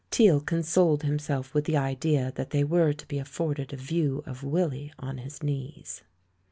Teale consoled him self with the idea that they were to be afforded a view of Willy on his knees.